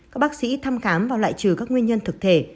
các bác sĩ thăm khám và lại trừ các nguyên nhân thực thể